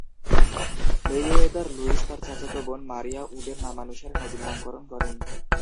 Merriweather Lewis তার চাচাতো বোন মারিয়া উডের নামানুসারে নদীর নামকরণ করেন।